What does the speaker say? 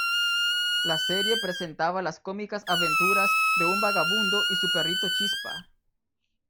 La serie presentaba las cómicas aventuras de un vagabundo y su perrito Chispa.